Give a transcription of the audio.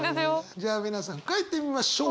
じゃあ皆さん書いてみましょう。